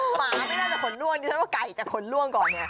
หมาไม่น่าจะขนล่วงดิฉันว่าไก่จะขนล่วงก่อนไง